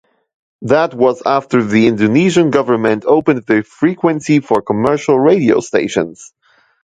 That was after the Indonesian government opened the frequency for commercial radio stations.